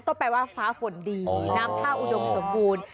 ก็แปลว่าฟ้าฝนดีน้ำท่าอุดมสมบูรณ์